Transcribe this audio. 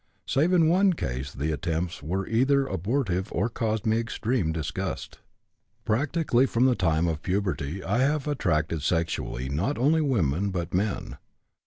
Save in one case the attempts were either abortive or caused me extreme disgust. "Practically from the time of puberty I have attracted sexually not only women but men.